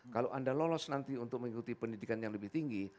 kalau anda lolos nanti untuk mengikuti pendidikan yang lebih tinggi